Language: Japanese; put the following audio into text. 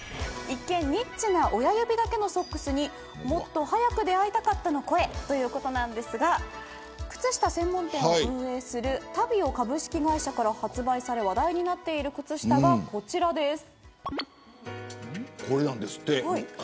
一見ニッチな親指だけのソックスにもっと早く出会いたかったの声ということなんですが靴下専門店を運営するタビオ株式会社から発売され話題になっている靴下がこちらです。